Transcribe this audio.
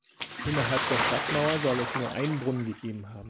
Innerhalb der Stadtmauer soll es nur einen Brunnen gegeben haben.